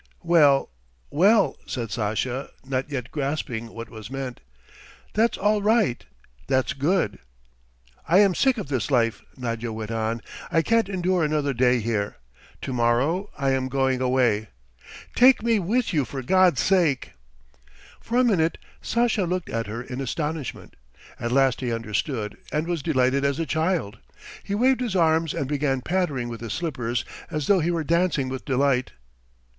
"Well, well," said Sasha, not yet grasping what was meant. "That's all right ... that's good." "I am sick of this life," Nadya went on. "I can't endure another day here. To morrow I am going away. Take me with you for God's sake!" For a minute Sasha looked at her in astonishment; at last he understood and was delighted as a child. He waved his arms and began pattering with his slippers as though he were dancing with delight.